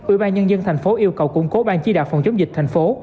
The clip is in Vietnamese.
ủy ban nhân dân tp hcm yêu cầu củng cố ban chi đạo phòng chống dịch thành phố